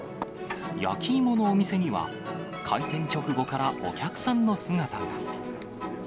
焼き芋のお店には、開店直後からお客さんの姿が。